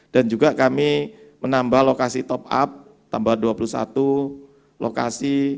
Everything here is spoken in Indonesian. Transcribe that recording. dan juga kami menambah lokasi top up tambah dua puluh satu lokasi